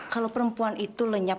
kalau perempuan itu lenyap